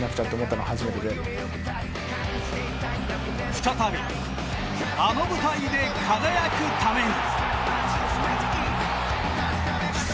再びあの舞台で輝くために。